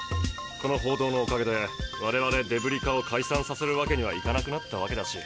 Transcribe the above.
この報道のおかげで我々デブリ課を解散させるわけにはいかなくなったわけだし。